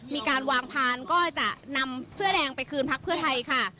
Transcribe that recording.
มีการวางพานก็จะนำเสื้อแดงไปคืนพักเพื่อไทยค่ะ